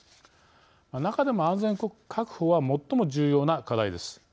中でも安全確保は最も重要な課題です。